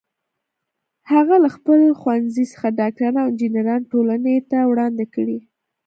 هغه له خپل ښوونځي څخه ډاکټران او انجینران ټولنې ته وړاندې کړي